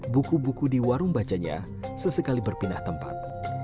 buku buku di warung bacanya sesekali berpindah tempat